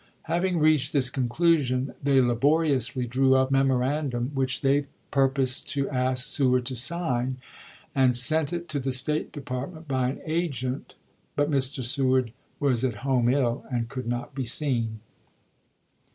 Having reached this conclusion, they laboriously drew up a memorandum which they purposed to ask Seward to sign, and sent it to the State Depart ment by an " agent," but Mr. Seward was at home ill, and could not be seen.